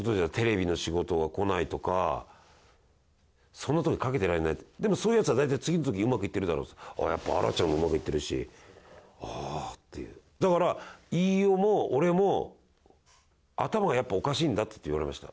そんなとこかけてられないでもそういうやつは大体次の時うまくいってるだろ荒ちゃんもうまくいってるし「ああ」っていう「だから飯尾も俺も頭やっぱおかしいんだ」って言われました